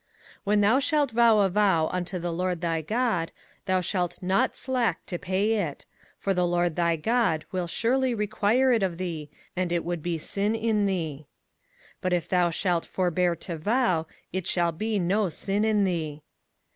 05:023:021 When thou shalt vow a vow unto the LORD thy God, thou shalt not slack to pay it: for the LORD thy God will surely require it of thee; and it would be sin in thee. 05:023:022 But if thou shalt forbear to vow, it shall be no sin in thee.